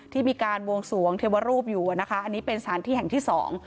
ที่มีการบวงสวงเทวรูปอยู่อ่ะนะคะอันนี้เป็นสถานที่แห่งที่สอง